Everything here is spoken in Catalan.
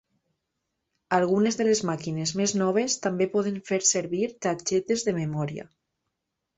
Algunes de les màquines més noves també poden fer servir targetes de memòria.